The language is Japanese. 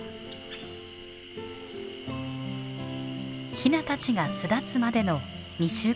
ヒナたちが巣立つまでの２週間余り。